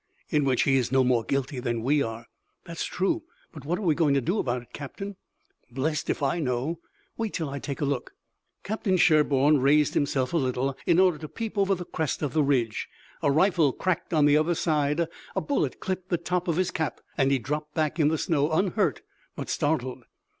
"In which he is no more guilty than we are." "That's true, but what are we going to do about it, captain?" "Blessed if I know. Wait till I take a look." Captain Sherburne raised himself a little, in order to peep over the crest of the ridge. A rifle cracked on the other side, a bullet clipped the top of his cap, and he dropped back in the snow, unhurt but startled.